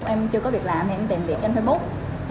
em chưa có việc làm em tìm việc trên facebook